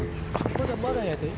まだまだやで。